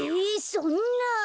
そんな！